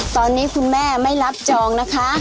ตอนนี้คุณแม่ไม่รับจองนะคะ